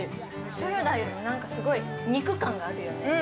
ショルダーよりも、すごい肉感があるよね。